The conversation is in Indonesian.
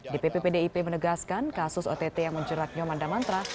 dpp pdip menegaskan kasus ott yang menjerat nyomanda mantra